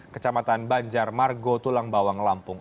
kecamatan banjar margo tulang bawang lampung